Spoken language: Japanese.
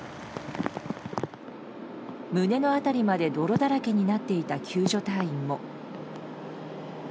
胸の辺りまで泥だらけになっていた救助隊員も。